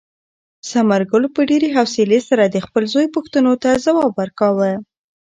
ثمرګل په ډېرې حوصلې سره د خپل زوی پوښتنو ته ځواب ورکاوه.